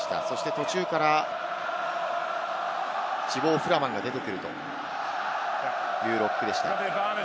途中からチボー・フラマンが出てくるというロックでした。